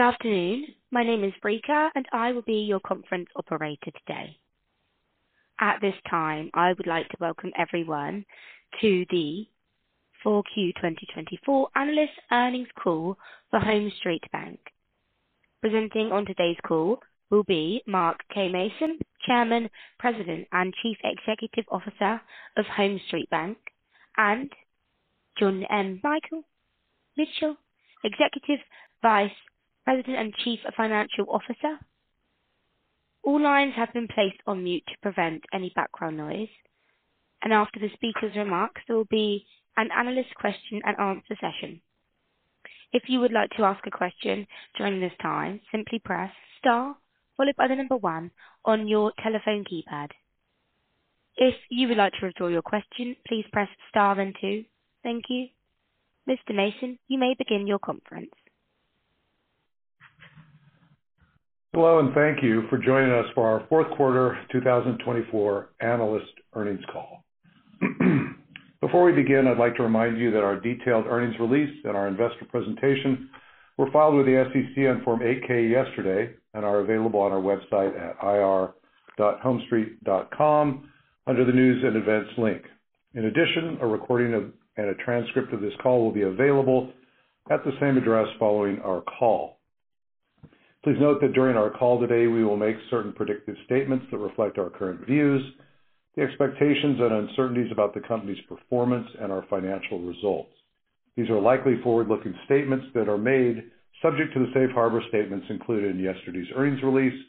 Good afternoon. My name is Rika, and I will be your conference operator today. At this time, I would like to welcome everyone to the 4Q 2024 analyst earnings call for HomeStreet Bank. Presenting on today's call will be Mark K. Mason, Chairman, President, and Chief Executive Officer of HomeStreet Bank, and John M. Michel, Executive Vice President and Chief Financial Officer. All lines have been placed on mute to prevent any background noise, and after the speakers' remarks, there will be an analyst question and answer session. If you would like to ask a question during this time, simply press star followed by the number one on your telephone keypad. If you would like to withdraw your question, please press star then two. Thank you. Mr. Mason, you may begin your conference. Hello, and thank you for joining us for our fourth quarter 2024 analyst earnings call. Before we begin, I'd like to remind you that our detailed earnings release and our investor presentation were filed with the SEC on Form 8-K yesterday and are available on our website at ir.homestreet.com under the news and events link. In addition, a recording and a transcript of this call will be available at the same address following our call. Please note that during our call today, we will make certain predictive statements that reflect our current views, the expectations, and uncertainties about the company's performance and our financial results. These are likely forward-looking statements that are made subject to the safe harbor statements included in yesterday's earnings release,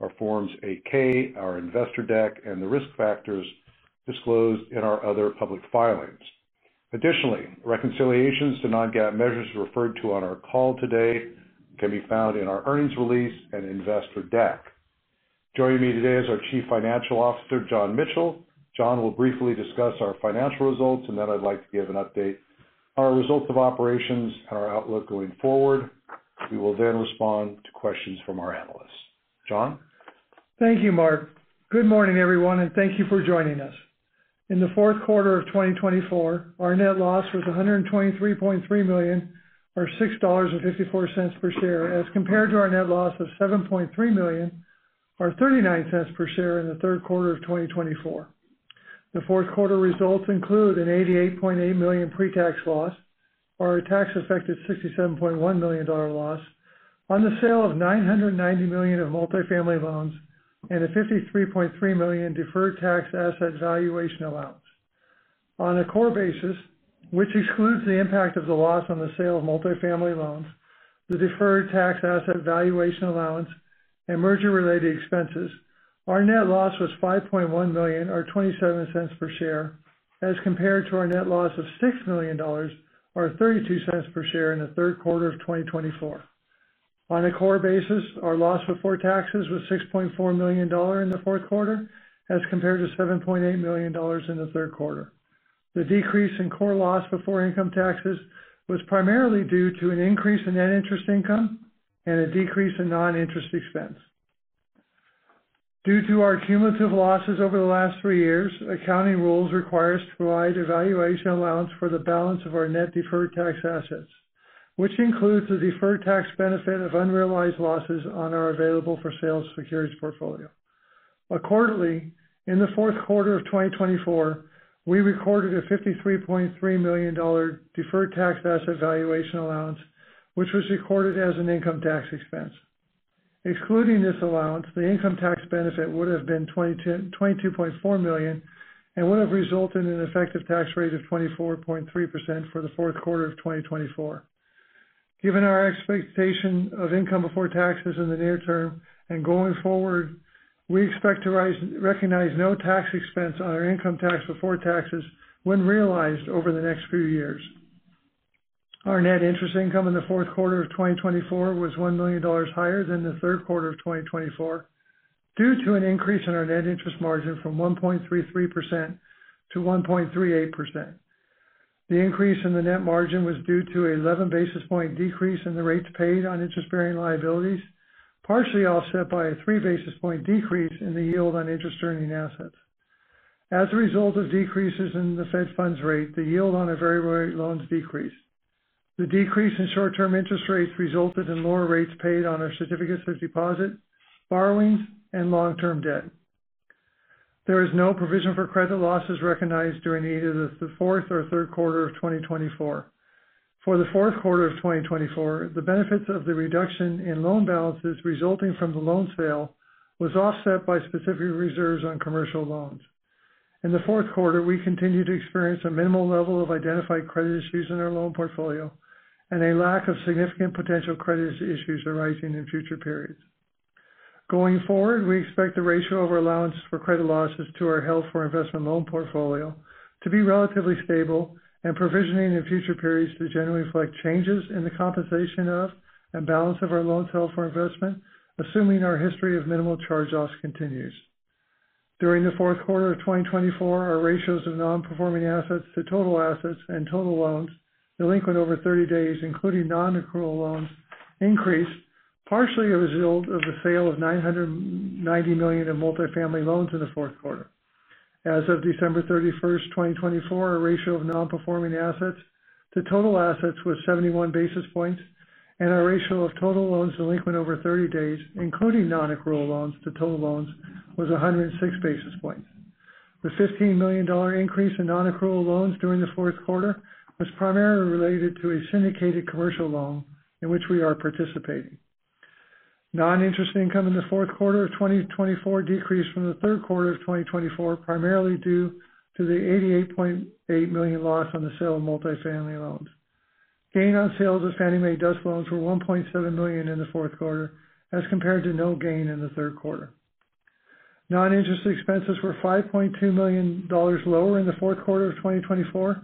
our Forms 8-K, our investor deck, and the risk factors disclosed in our other public filings. Additionally, reconciliations to non-GAAP measures referred to on our call today can be found in our earnings release and investor deck. Joining me today is our Chief Financial Officer, John Michel. John will briefly discuss our financial results, and then I'd like to give an update on our results of operations and our outlook going forward. We will then respond to questions from our analysts. John? Thank you, Mark. Good morning, everyone, and thank you for joining us. In the fourth quarter of 2024, our net loss was $123.3 million, or $6.54 per share, as compared to our net loss of $7.3 million, or $0.39 per share in the third quarter of 2024. The fourth quarter results include an $88.8 million pre-tax loss, or a tax-affected $67.1 million loss, on the sale of $990 million of multifamily loans, and a $53.3 million deferred tax asset valuation allowance. On a core basis, which excludes the impact of the loss on the sale of multifamily loans, the deferred tax asset valuation allowance, and merger-related expenses, our net loss was $5.1 million, or $0.27 per share, as compared to our net loss of $6 million, or $0.32 per share in the third quarter of 2024. On a core basis, our loss before taxes was $6.4 million in the fourth quarter, as compared to $7.8 million in the third quarter. The decrease in core loss before income taxes was primarily due to an increase in net interest income and a decrease in non-interest expense. Due to our cumulative losses over the last three years, accounting rules require us to provide a valuation allowance for the balance of our net deferred tax assets, which includes the deferred tax benefit of unrealized losses on our available-for-sale securities portfolio. Accordingly, in the fourth quarter of 2024, we recorded a $53.3 million deferred tax asset valuation allowance, which was recorded as an income tax expense. Excluding this allowance, the income tax benefit would have been $22.4 million and would have resulted in an effective tax rate of 24.3% for the fourth quarter of 2024. Given our expectation of income before taxes in the near term and going forward, we expect to recognize no tax expense on our income before taxes when realized over the next few years. Our net interest income in the fourth quarter of 2024 was $1 million higher than the third quarter of 2024 due to an increase in our net interest margin from 1.33% to 1.38%. The increase in the net margin was due to an 11 basis points decrease in the rates paid on interest-bearing liabilities, partially offset by a three basis points decrease in the yield on interest-bearing assets. As a result of decreases in the Fed funds rate, the yield on our variable rate loans decreased. The decrease in short-term interest rates resulted in lower rates paid on our certificates of deposit, borrowings, and long-term debt. There is no provision for credit losses recognized during either the fourth or third quarter of 2024. For the fourth quarter of 2024, the benefits of the reduction in loan balances resulting from the loan sale were offset by specific reserves on commercial loans. In the fourth quarter, we continue to experience a minimal level of identified credit issues in our loan portfolio and a lack of significant potential credit issues arising in future periods. Going forward, we expect the ratio of our allowance for credit losses to our loans held for investment loan portfolio to be relatively stable and provisioning in future periods to generally reflect changes in the composition of and balance of our loans held for investment, assuming our history of minimal charge-offs continues. During the fourth quarter of 2024, our ratios of non-performing assets to total assets and total loans delinquent over 30 days, including non-accrual loans, increased, partially a result of the sale of $990 million of multifamily loans in the fourth quarter. As of December 31st, 2024, our ratio of non-performing assets to total assets was 71 basis points, and our ratio of total loans delinquent over 30 days, including non-accrual loans to total loans, was 106 basis points. The $15 million increase in non-accrual loans during the fourth quarter was primarily related to a syndicated commercial loan in which we are participating. Non-interest income in the fourth quarter of 2024 decreased from the third quarter of 2024, primarily due to the $88.8 million loss on the sale of multifamily loans. Gain on sales of Fannie Mae DUS loans were $1.7 million in the fourth quarter, as compared to no gain in the third quarter. Non-interest expenses were $5.2 million lower in the fourth quarter of 2024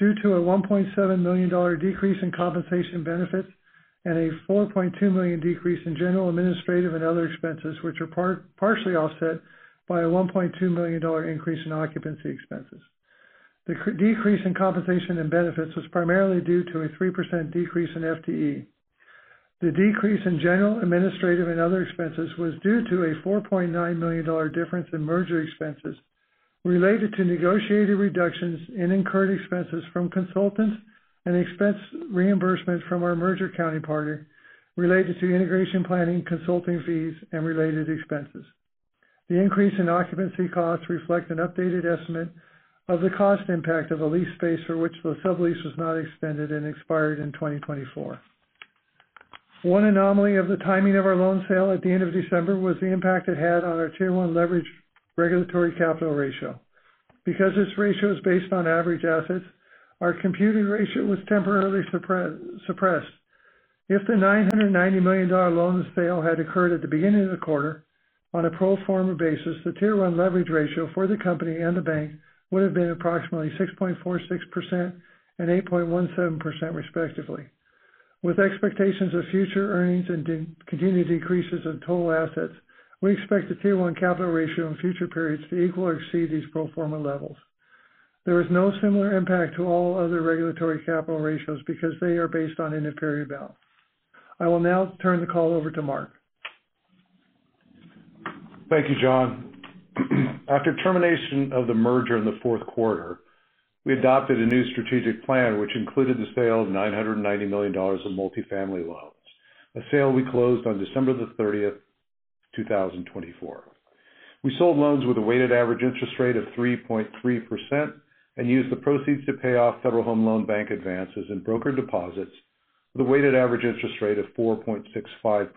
due to a $1.7 million decrease in compensation and benefits and a $4.2 million decrease in general administrative and other expenses, which are partially offset by a $1.2 million increase in occupancy expenses. The decrease in compensation and benefits was primarily due to a 3% decrease in FTE. The decrease in general administrative and other expenses was due to a $4.9 million difference in merger expenses related to negotiated reductions in incurred expenses from consultants and expense reimbursement from our merger counterparty related to integration planning, consulting fees, and related expenses. The increase in occupancy costs reflects an updated estimate of the cost impact of a leased space for which the sublease was not extended and expired in 2024. One anomaly of the timing of our loan sale at the end of December was the impact it had on our Tier 1 leverage regulatory capital ratio. Because this ratio is based on average assets, our computed ratio was temporarily suppressed. If the $990 million loan sale had occurred at the beginning of the quarter on a pro forma basis, the Tier 1 leverage ratio for the company and the bank would have been approximately 6.46% and 8.17% respectively. With expectations of future earnings and continued decreases in total assets, we expect the Tier 1 capital ratio in future periods to equal or exceed these pro forma levels. There is no similar impact to all other regulatory capital ratios because they are based on interperiod balance. I will now turn the call over to Mark. Thank you, John. After termination of the merger in the fourth quarter, we adopted a new strategic plan, which included the sale of $990 million of multifamily loans, a sale we closed on December 30th, 2024. We sold loans with a weighted average interest rate of 3.3% and used the proceeds to pay off Federal Home Loan Bank advances and brokered deposits with a weighted average interest rate of 4.65%.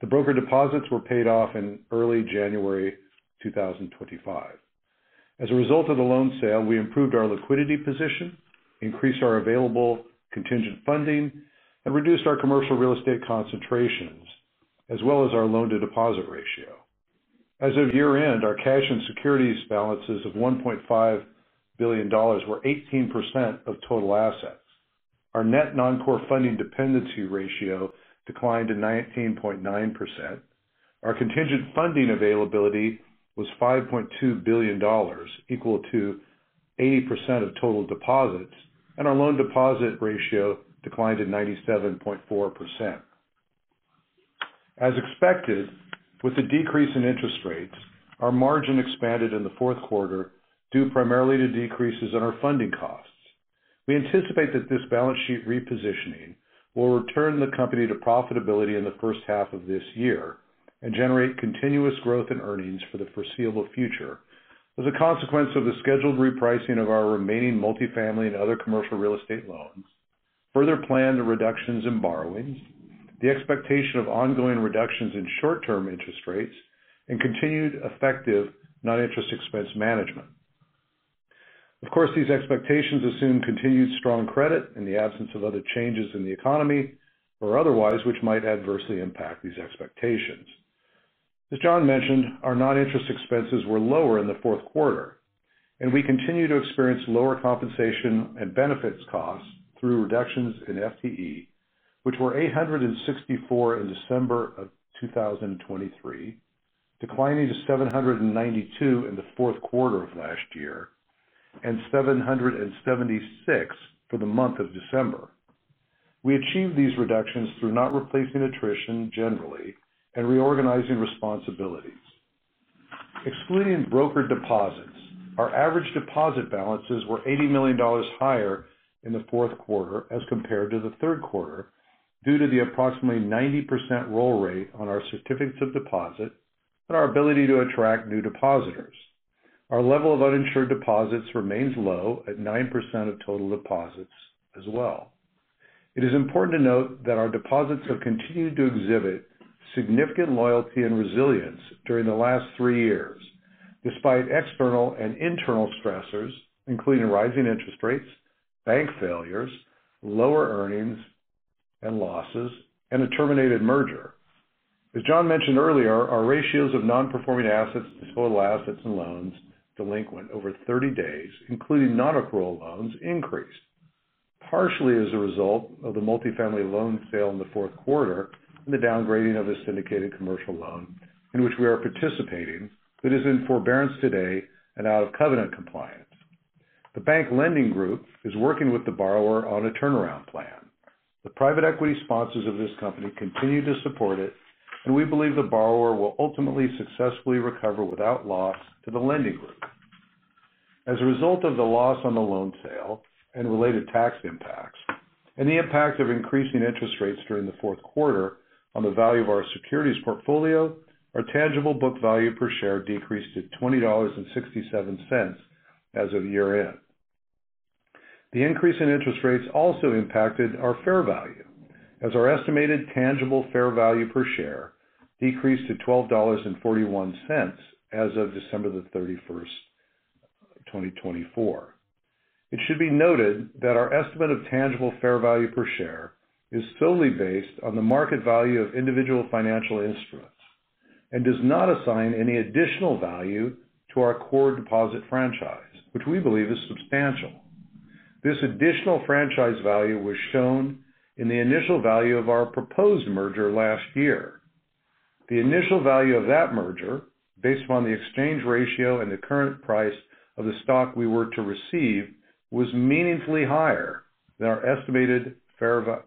The brokered deposits were paid off in early January 2025. As a result of the loan sale, we improved our liquidity position, increased our available contingent funding, and reduced our commercial real estate concentrations, as well as our loan-to-deposit ratio. As of year-end, our cash and securities balances of $1.5 billion were 18% of total assets. Our net non-core funding dependency ratio declined to 19.9%. Our contingent funding availability was $5.2 billion, equal to 80% of total deposits, and our loan-to-deposit ratio declined to 97.4%. As expected, with the decrease in interest rates, our margin expanded in the fourth quarter due primarily to decreases in our funding costs. We anticipate that this balance sheet repositioning will return the company to profitability in the first half of this year and generate continuous growth in earnings for the foreseeable future as a consequence of the scheduled repricing of our remaining multifamily and other commercial real estate loans, further planned reductions in borrowings, the expectation of ongoing reductions in short-term interest rates, and continued effective non-interest expense management. Of course, these expectations assume continued strong credit in the absence of other changes in the economy or otherwise, which might adversely impact these expectations. As John mentioned, our non-interest expenses were lower in the fourth quarter, and we continue to experience lower compensation and benefits costs through reductions in FTE, which were 864 in December of 2023, declining to 792 in the fourth quarter of last year, and 776 for the month of December. We achieved these reductions through not replacing attrition generally and reorganizing responsibilities. Excluding brokered deposits, our average deposit balances were $80 million higher in the fourth quarter as compared to the third quarter due to the approximately 90% roll rate on our certificates of deposit and our ability to attract new depositors. Our level of uninsured deposits remains low at 9% of total deposits as well. It is important to note that our deposits have continued to exhibit significant loyalty and resilience during the last three years, despite external and internal stressors, including rising interest rates, bank failures, lower earnings and losses, and a terminated merger. As John mentioned earlier, our ratios of non-performing assets to total assets and loans delinquent over 30 days, including non-accrual loans, increased, partially as a result of the multifamily loan sale in the fourth quarter and the downgrading of a syndicated commercial loan in which we are participating that is in forbearance today and out of covenant compliance. The bank lending group is working with the borrower on a turnaround plan. The private equity sponsors of this company continue to support it, and we believe the borrower will ultimately successfully recover without loss to the lending group. As a result of the loss on the loan sale and related tax impacts, and the impact of increasing interest rates during the fourth quarter on the value of our securities portfolio, our tangible book value per share decreased to $20.67 as of year-end. The increase in interest rates also impacted our fair value, as our estimated tangible fair value per share decreased to $12.41 as of December 31st, 2024. It should be noted that our estimate of tangible fair value per share is solely based on the market value of individual financial instruments and does not assign any additional value to our core deposit franchise, which we believe is substantial. This additional franchise value was shown in the initial value of our proposed merger last year. The initial value of that merger, based upon the exchange ratio and the current price of the stock we were to receive, was meaningfully higher than our estimated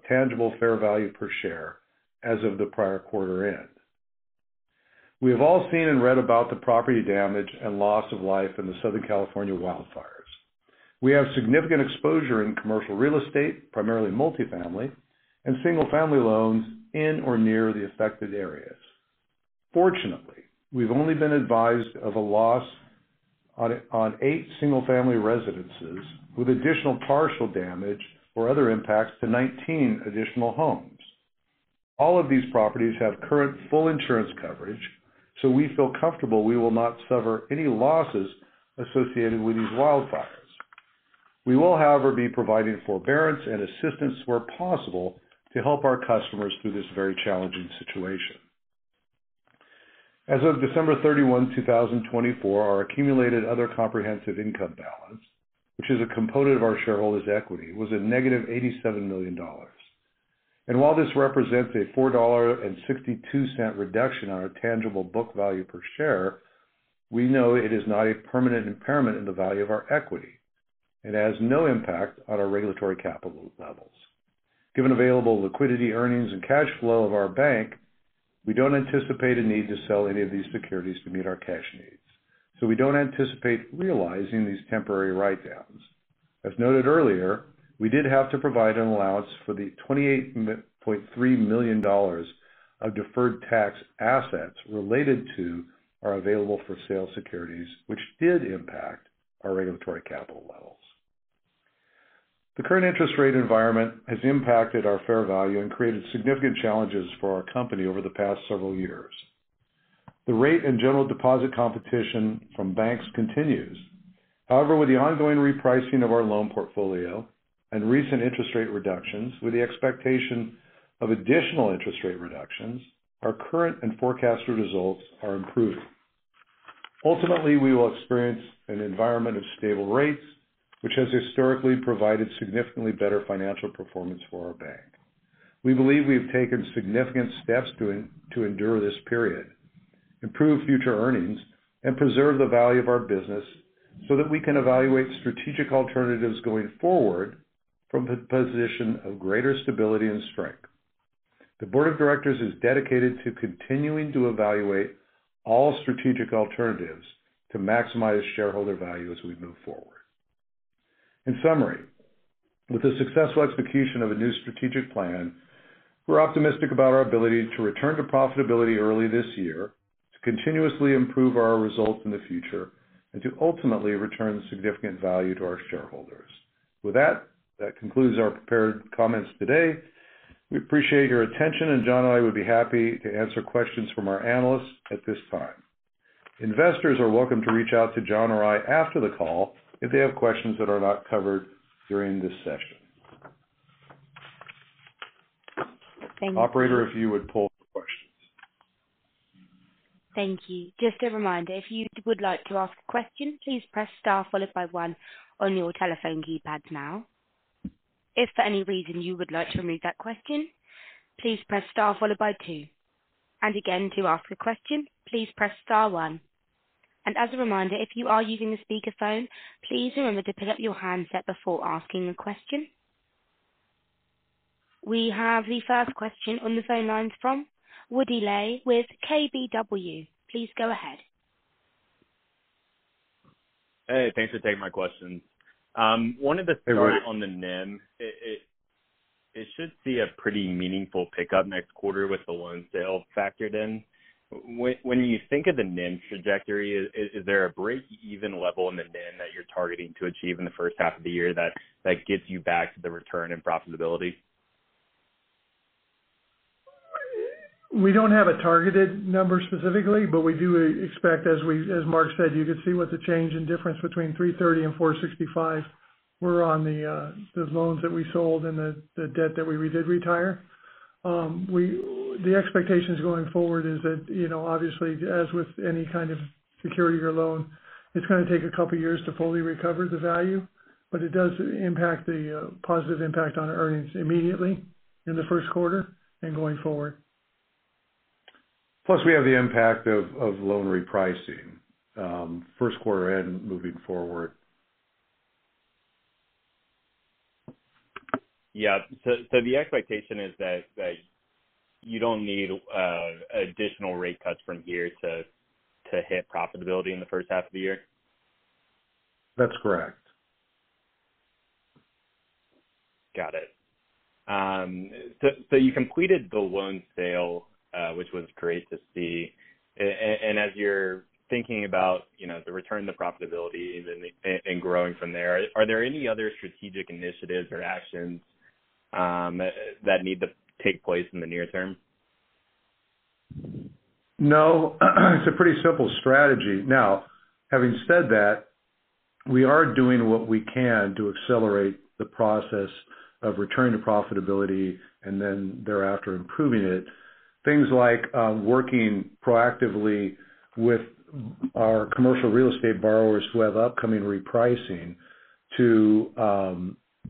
tangible fair value per share as of the prior quarter-end. We have all seen and read about the property damage and loss of life in the Southern California wildfires. We have significant exposure in commercial real estate, primarily multifamily, and single-family loans in or near the affected areas. Fortunately, we've only been advised of a loss on eight single-family residences with additional partial damage or other impacts to 19 additional homes. All of these properties have current full insurance coverage, so we feel comfortable we will not suffer any losses associated with these wildfires. We will, however, be providing forbearance and assistance where possible to help our customers through this very challenging situation. As of December 31, 2024, our accumulated other comprehensive income balance, which is a component of our shareholders' equity, was a negative $87 million, and while this represents a $4.62 reduction on our tangible book value per share, we know it is not a permanent impairment in the value of our equity and has no impact on our regulatory capital levels. Given available liquidity, earnings, and cash flow of our bank, we don't anticipate a need to sell any of these securities to meet our cash needs, so we don't anticipate realizing these temporary write-downs. As noted earlier, we did have to provide an allowance for the $28.3 million of deferred tax assets related to our available-for-sale securities, which did impact our regulatory capital levels. The current interest rate environment has impacted our fair value and created significant challenges for our company over the past several years. The rate and general deposit competition from banks continues. However, with the ongoing repricing of our loan portfolio and recent interest rate reductions, with the expectation of additional interest rate reductions, our current and forecasted results are improving. Ultimately, we will experience an environment of stable rates, which has historically provided significantly better financial performance for our bank. We believe we have taken significant steps to endure this period, improve future earnings, and preserve the value of our business so that we can evaluate strategic alternatives going forward from the position of greater stability and strength. The board of directors is dedicated to continuing to evaluate all strategic alternatives to maximize shareholder value as we move forward. In summary, with the successful execution of a new strategic plan, we're optimistic about our ability to return to profitability early this year, to continuously improve our results in the future, and to ultimately return significant value to our shareholders. With that, that concludes our prepared comments today. We appreciate your attention, and John and I would be happy to answer questions from our analysts at this time. Investors are welcome to reach out to John or I after the call if they have questions that are not covered during this session. Thank you. Operator, if you would pull up questions. Thank you. Just a reminder, if you would like to ask a question, please press star followed by one on your telephone keypad now. If for any reason you would like to remove that question, please press star followed by two. And again, to ask a question, please press star one. And as a reminder, if you are using a speakerphone, please remember to pick up your handset before asking a question. We have the first question on the phone lines from Woody Lay with KBW. Please go ahead. Hey, thanks for taking my question. One of the things on the NIM, it should see a pretty meaningful pickup next quarter with the loan sale factored in. When you think of the NIM trajectory, is there a break-even level in the NIM that you're targeting to achieve in the first half of the year that gets you back to the return in profitability? We don't have a targeted number specifically, but we do expect, as Mark said, you could see what the change in difference between 330 and 465 were on the loans that we sold and the debt that we did retire. The expectations going forward is that, obviously, as with any kind of security or loan, it's going to take a couple of years to fully recover the value, but it does impact the positive impact on earnings immediately in the first quarter and going forward. Plus, we have the impact of loan repricing first quarter-end moving forward. Yeah. So the expectation is that you don't need additional rate cuts from here to hit profitability in the first half of the year? That's correct. Got it. So you completed the loan sale, which was great to see. And as you're thinking about the return to profitability and growing from there, are there any other strategic initiatives or actions that need to take place in the near term? No. It's a pretty simple strategy. Now, having said that, we are doing what we can to accelerate the process of returning to profitability and then thereafter improving it. Things like working proactively with our commercial real estate borrowers who have upcoming repricing to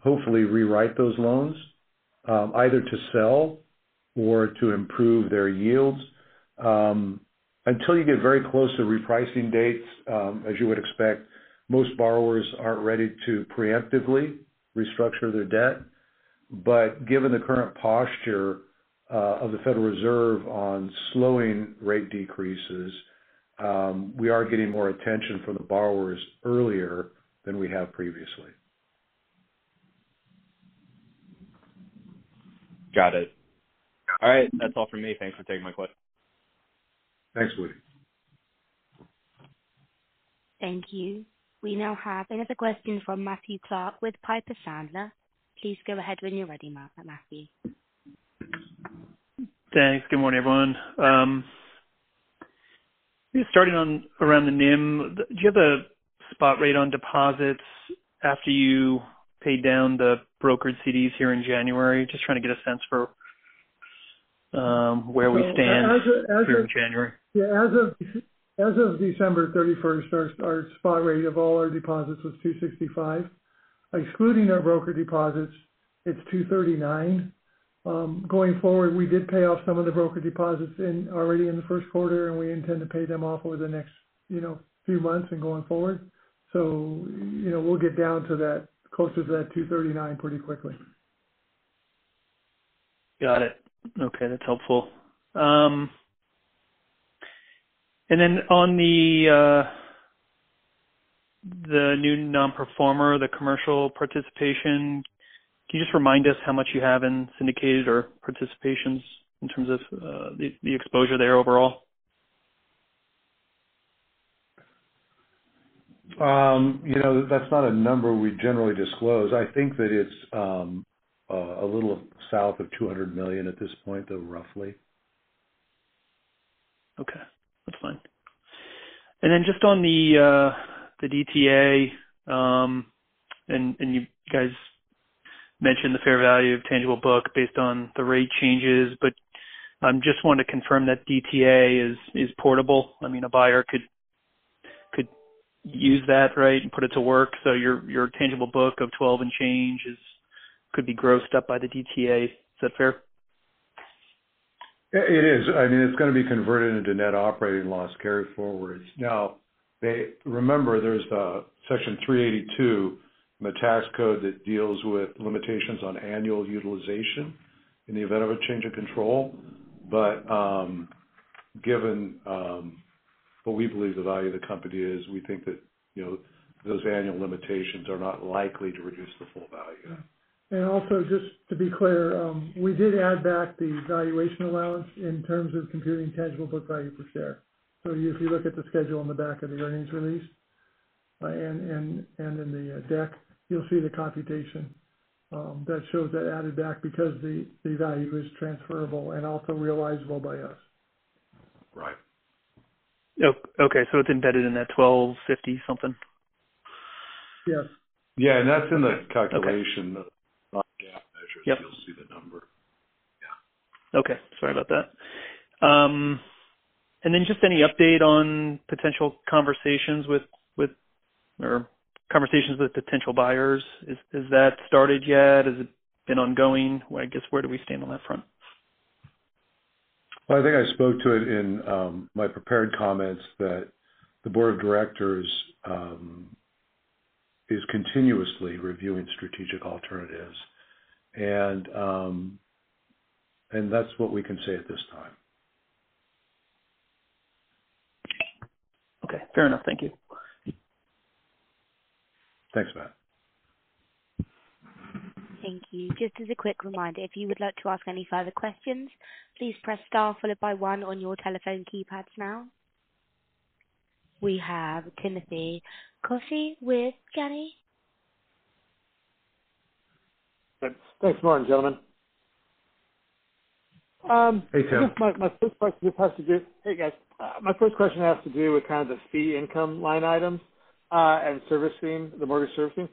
hopefully rewrite those loans, either to sell or to improve their yields. Until you get very close to repricing dates, as you would expect, most borrowers aren't ready to preemptively restructure their debt. But given the current posture of the Federal Reserve on slowing rate decreases, we are getting more attention from the borrowers earlier than we have previously. Got it. All right. That's all from me. Thanks for taking my questions. Thanks, Woody. Thank you. We now have another question from Matthew Clark with Piper Sandler. Please go ahead when you're ready, Matthew. Thanks. Good morning, everyone. Starting around the NIM, do you have a spot rate on deposits after you pay down the brokered CDs here in January? Just trying to get a sense for where we stand here in January. Yeah. As of December 31st, our spot rate of all our deposits was 265. Excluding our brokered deposits, it's 239. Going forward, we did pay off some of the brokered deposits already in the first quarter, and we intend to pay them off over the next few months and going forward. So we'll get down to that, closer to that 239 pretty quickly. Got it. Okay. That's helpful, and then on the new nonperforming, the commercial participation, can you just remind us how much you have in syndicated or participations in terms of the exposure there overall? That's not a number we generally disclose. I think that it's a little south of $200 million at this point, though, roughly. Okay. That's fine. And then just on the DTA, and you guys mentioned the fair value of tangible book based on the rate changes, but I just want to confirm that DTA is portable. I mean, a buyer could use that, right, and put it to work. So your tangible book of 12 and change could be grossed up by the DTA. Is that fair? It is. I mean, it's going to be converted into net operating loss carry forward. Now, remember, there's Section 382 in the tax code that deals with limitations on annual utilization in the event of a change of control. But given what we believe the value of the company is, we think that those annual limitations are not likely to reduce the full value. Also, just to be clear, we did add back the valuation allowance in terms of computing tangible book value per share. So if you look at the schedule on the back of the earnings release and in the deck, you'll see the computation that shows that added back because the value is transferable and also realizable by us. Right. Okay. So it's embedded in that 1250 something? Yes. Yeah. And that's in the calculation. Yes. GAAP measure. You'll see the number. Yeah. Okay. Sorry about that. And then just any update on potential conversations with or conversations with potential buyers? Has that started yet? Has it been ongoing? I guess, where do we stand on that front? I think I spoke to it in my prepared comments that the board of directors is continuously reviewing strategic alternatives, and that's what we can say at this time. Okay. Fair enough. Thank you. Thanks, Matt. Thank you. Just as a quick reminder, if you would like to ask any further questions, please press star followed by one on your telephone keypads now. We have Timothy Coffey with Janney. Thanks, Mark, gentlemen. Hey, Tim. My first question just has to do, hey, guys. My first question has to do with kind of the fee income line items and servicing fees, the mortgage servicing fees.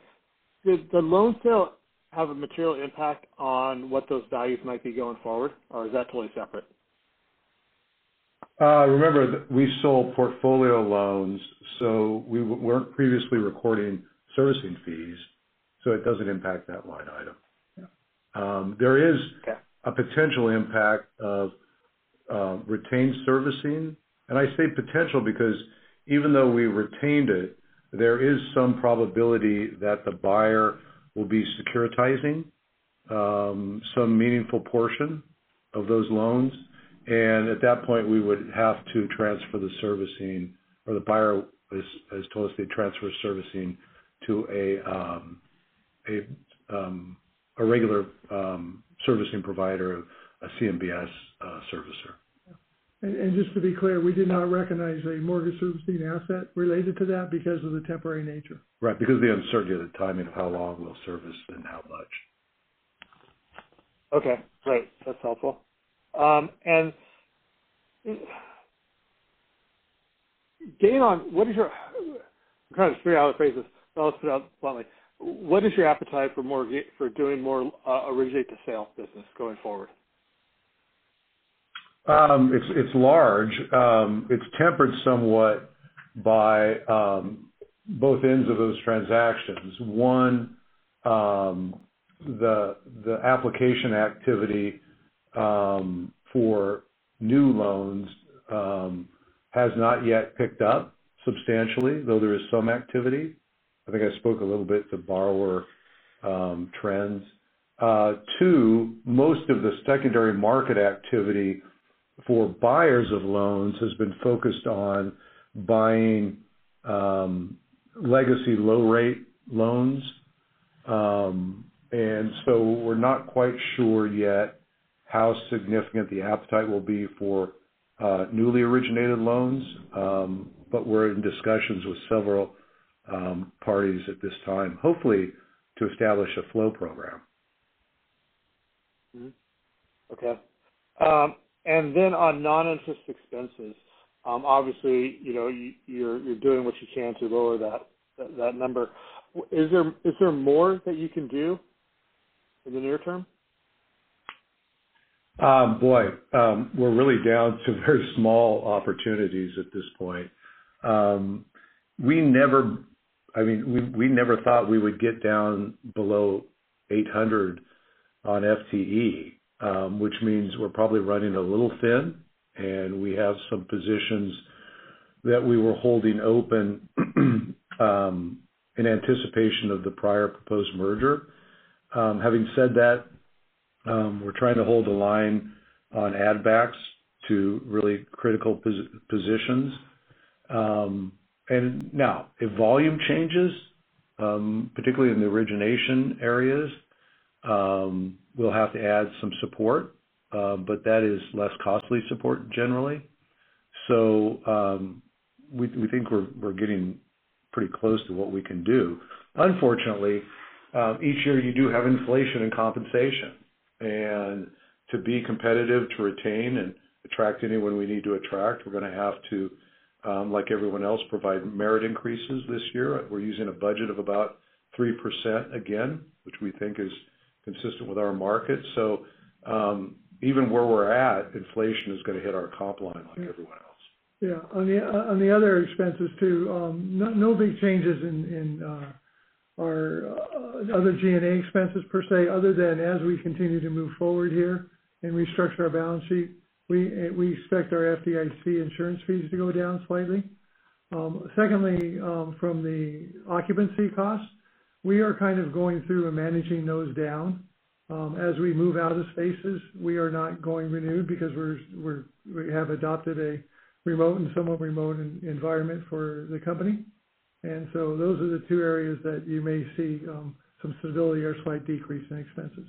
Did the loan sale have a material impact on what those values might be going forward, or is that totally separate? Remember, we sold portfolio loans, so we weren't previously recording servicing fees, so it doesn't impact that line item. There is a potential impact of retained servicing, and I say potential because even though we retained it, there is some probability that the buyer will be securitizing some meaningful portion of those loans, and at that point, we would have to transfer the servicing, or the buyer has told us they'd transfer servicing to a regular servicing provider, a CMBS servicer. Just to be clear, we did not recognize a mortgage servicing asset related to that because of the temporary nature. Right. Because of the uncertainty of the timing of how long we'll service and how much. Okay. Great. That's helpful, and John, what is your, I'm trying to figure out the basis. I'll spit out bluntly. What is your appetite for doing more originate-to-sale business going forward? It's large. It's tempered somewhat by both ends of those transactions. One, the application activity for new loans has not yet picked up substantially, though there is some activity. I think I spoke a little bit to borrower trends. Two, most of the secondary market activity for buyers of loans has been focused on buying legacy low-rate loans. And so we're not quite sure yet how significant the appetite will be for newly originated loans, but we're in discussions with several parties at this time, hopefully to establish a flow program. Okay, and then on non-interest expenses, obviously, you're doing what you can to lower that number. Is there more that you can do in the near term? Boy, we're really down to very small opportunities at this point. I mean, we never thought we would get down below 800 on FTE, which means we're probably running a little thin, and we have some positions that we were holding open in anticipation of the prior proposed merger. Having said that, we're trying to hold the line on add-backs to really critical positions. And now, if volume changes, particularly in the origination areas, we'll have to add some support, but that is less costly support generally. So we think we're getting pretty close to what we can do. Unfortunately, each year you do have inflation and compensation. And to be competitive, to retain and attract anyone we need to attract, we're going to have to, like everyone else, provide merit increases this year. We're using a budget of about 3% again, which we think is consistent with our market. So even where we're at, inflation is going to hit our comp line like everyone else. Yeah. On the other expenses too, no big changes in our other G&A expenses per se, other than as we continue to move forward here and restructure our balance sheet, we expect our FDIC insurance fees to go down slightly. Secondly, from the occupancy costs, we are kind of going through and managing those down. As we move out of spaces, we are not going to renew because we have adopted a remote and somewhat remote environment for the company. And so those are the two areas that you may see some stability or a slight decrease in expenses.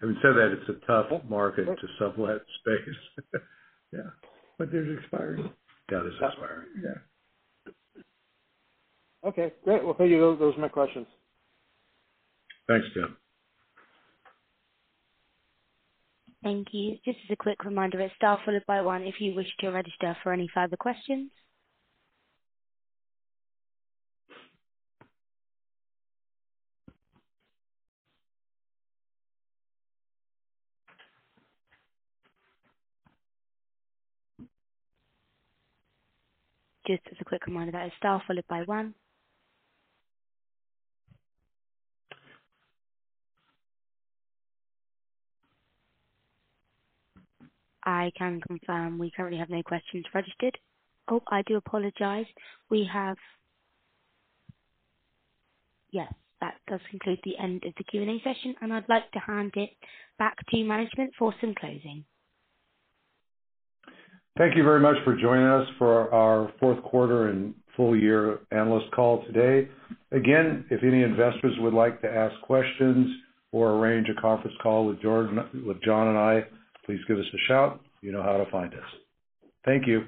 Having said that, it's a tough market to sublet space. Yeah. But they're expiring. Yeah. They're expiring. Yeah. Okay. Great. Well, thank you. Those are my questions. Thanks, Tim. Thank you. Just as a quick reminder, it's star followed by one if you wish to register for any further questions. Just as a quick reminder, that is star followed by one. I can confirm we currently have no questions registered. Oh, I do apologize. We have. Yes. That does conclude the end of the Q&A session, and I'd like to hand it back to management for some closing. Thank you very much for joining us for our fourth quarter and full year analyst call today. Again, if any investors would like to ask questions or arrange a conference call with John and I, please give us a shout. You know how to find us. Thank you.